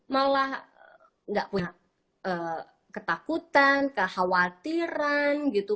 malah nggak punya ketakutan kekhawatiran gitu